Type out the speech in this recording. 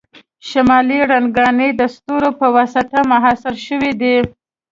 شمالي رڼاګانې د ستورو په واسطه محاصره شوي وي